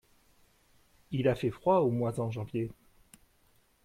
Il a fait froid au mois en janvier.